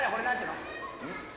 うん？